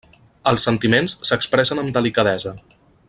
Els sentiments s'expressen amb delicadesa.